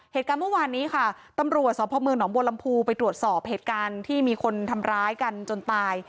เหตุการณ์เมื่อวานนี้ค่ะตำรวจสพเมืองหนองบัวลำพูไปตรวจสอบเหตุการณ์ที่มีคนทำร้ายกันจนตาย